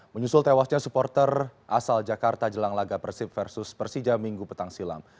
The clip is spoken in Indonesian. menyusul tewasnya supporter asal jakarta jelang laga persib versus persija minggu petang silam